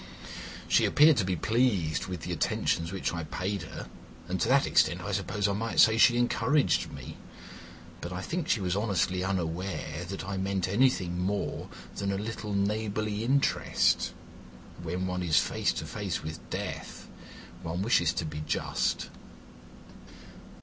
She appeared to be pleased with the attentions which I paid her, and to that extent I suppose I might say she encouraged me, but I think she was honestly unaware that I meant anything more than a little neighbourly interest. When one is face to face with Death one wishes to be just."